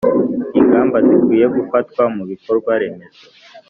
ingamba zikwiye gufatwa mu bikorwaremezo